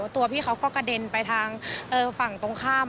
ตัวพี่เขาก็กระเด็นไปทางฝั่งตรงข้าม